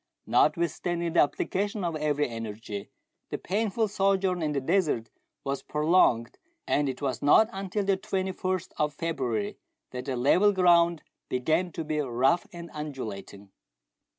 Notwithstanding the application of every energy, the painful sojourn in the desert was prolonged, and it was not until the 21st of February that the level ground began to be rough and undulating.